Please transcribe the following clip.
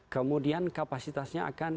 kemudian kapasitasnya akan